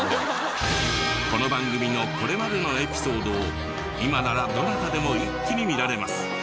この番組のこれまでのエピソードを今ならどなたでも一気に見られます。